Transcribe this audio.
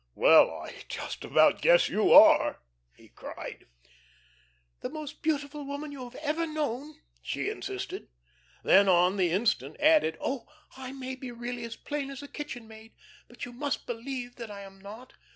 "Well, I just about guess you are," he cried. "The most beautiful woman you have ever known?" she insisted. Then on the instant added: "Oh, I may be really as plain as a kitchen maid, but you must believe that I am not.